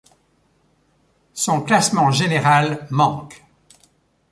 Son classement général manque.